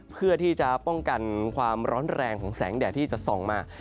เพื่อที่จะป้องกันความร้อนแรงของแสงแดดที่จะส่องมา